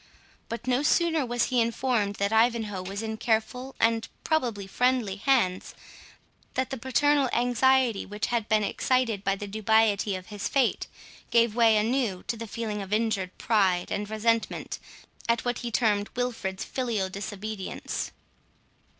But no sooner was he informed that Ivanhoe was in careful, and probably in friendly hands, than the paternal anxiety which had been excited by the dubiety of his fate, gave way anew to the feeling of injured pride and resentment, at what he termed Wilfred's filial disobedience.